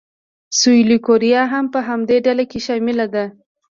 سویلي کوریا هم په همدې ډله کې شامل دی.